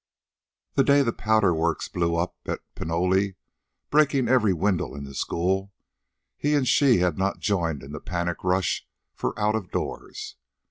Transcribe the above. The day the powder works blew up at Pinole, breaking every window in the school, he and she had not joined in the panic rush for out of doors.